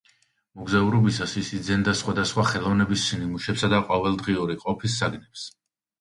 მოგზაურობისას ის იძენდა სხვადასხვა ხელოვნების ნიმუშებსა და ყოველდღიური ყოფის საგნებს.